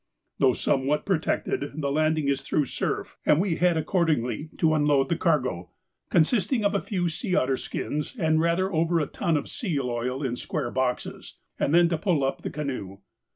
Though somewhat protected, the landing is through surf, and we had accordingly to unload the cargo, consisting of a few sea otter skins and rather over a ton of seal oil in square boxes, and then to pull up the canoe.